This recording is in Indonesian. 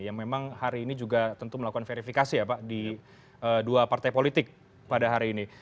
yang memang hari ini juga tentu melakukan verifikasi ya pak di dua partai politik pada hari ini